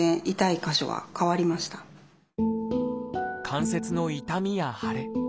関節の痛みや腫れ。